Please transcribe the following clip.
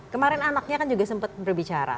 kemarin anaknya kan juga sempat berbicara